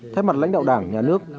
thay mặt lãnh đạo đảng nhà nước